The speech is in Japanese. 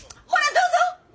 どうぞ？